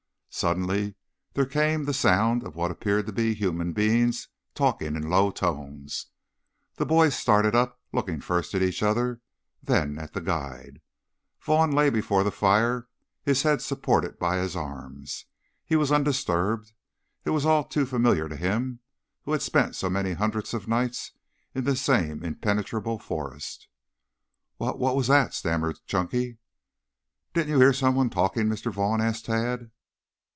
Suddenly there came the sound of what appeared to be human beings talking in low tones. The boys started up, looking first at each other, then at the guide. Vaughn lay before the fire, his head supported by his arms. He was undisturbed. It was all too familiar to him, who had spent so many hundred nights in this same impenetrable forest. "Wha what was that?" stammered Chunky. "Didn't you hear someone talking, Mr. Vaughn?" asked Tad.